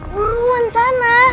eh buruan sana